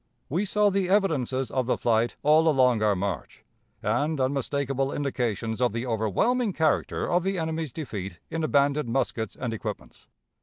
"We saw the evidences of the flight all along our march, and unmistakable indications of the overwhelming character of the enemy's defeat in abandoned muskets and equipments.